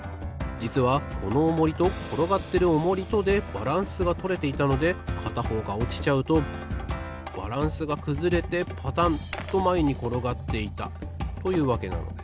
じつはこのオモリところがってるオモリとでバランスがとれていたのでかたほうがおちちゃうとバランスがくずれてパタンとまえにころがっていたというわけなのです。